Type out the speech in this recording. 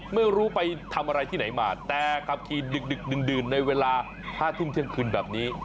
ไม่รู้ไปทำอะไรที่ไหนมาแต่ขับขี่ดึกดื่นในเวลา๕ทุ่มเที่ยงคืนแบบนี้